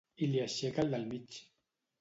I li aixeca el del mig.